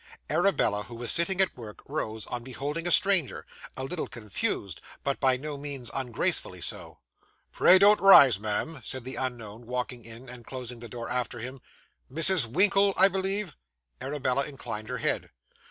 Arabella, who was sitting at work, rose on beholding a stranger a little confused but by no means ungracefully so. 'Pray don't rise, ma'am,' said the unknown, walking in, and closing the door after him. 'Mrs. Winkle, I believe?' Arabella inclined her head.